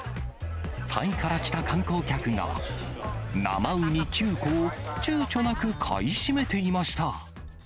タイから来た観光客が、生ウニ９個をちゅうちょなく買い占めていました。